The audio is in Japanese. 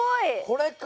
これか！